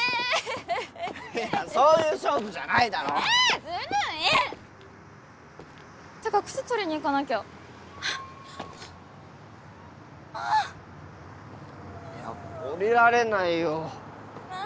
いやそういう勝負じゃないだろえずるい！ってか靴取りに行かなきゃああいや降りられないよえ